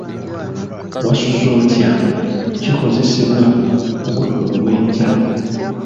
Wasuze otya? kikozesebwa ku budde obwenkya